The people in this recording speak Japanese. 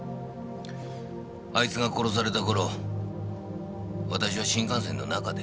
あいつが殺された頃私は新幹線の中です。